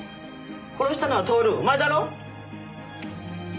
殺したのは享お前だろ？